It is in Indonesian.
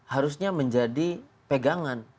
harusnya menjadi pegangan